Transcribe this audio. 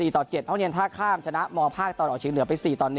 เท่าเงียนท่าข้ามชนะมภตอเชียงเหลือไป๔๑